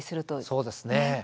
そうですね。